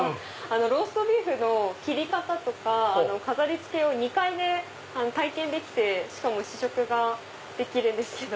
ローストビーフの切り方とか飾り付けを２階で体験できてしかも試食ができるんですけど。